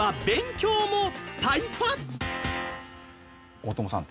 大友さん